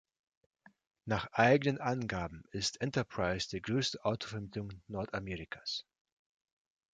Nach eigenen Angaben ist Enterprise die größte Autovermietung Nordamerikas.